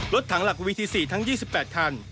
รถถังหลักวิทย์ที่๔ทั้ง๒๘ทัน